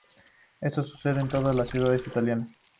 Esto sucede con todas las ciudades Italianas.